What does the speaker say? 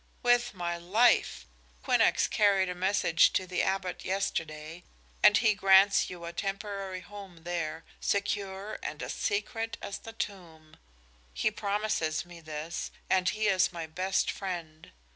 "With my life! Quinnox carried a message to the Abbot yesterday, and he grants you a temporary home there, secure and as secret as the tomb. He promises me this, and he is my best friend.